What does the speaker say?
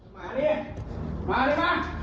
ป้าแล้วหรอ